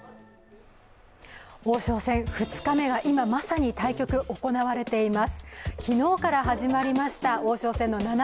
王将戦、２日目が今まさに対局、行われています。